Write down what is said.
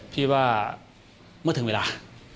พี่ว่าเมื่อถึงเวลา